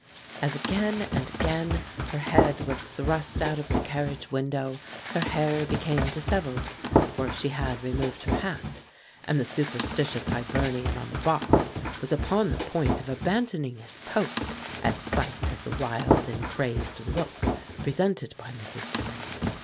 As again and again her head was thrust out of the carriage window her hair became disheveled, for she had removed her hat, and the superstitious Hibernian on the box was upon the point of abandoning his post at sight of the wild and crazed look presented by Mrs. Timmins.